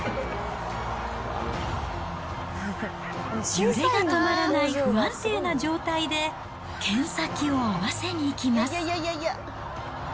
揺れが止まらない不安定な状態で、剣先を合わせにいきます。